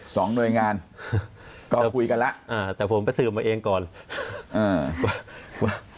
สองหน่วยงานก็คุยกันแล้วอ่าแต่ผมไปสืบมาเองก่อนอ่าว่า